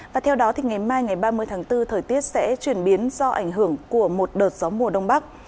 và theo đó thì ngày mai ngày ba mươi tháng bốn thời tiết sẽ chuyển biến do ảnh hưởng của một đợt gió mùa đông bắc